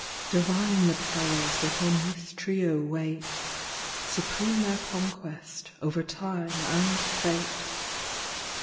Divine the Powers that on this trio wait. Supreme their conquest, over Time and Fate.